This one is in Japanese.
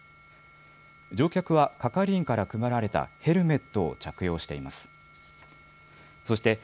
乗客は係員から配られたヘルメットを着用しています。